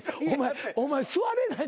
お前座れないと。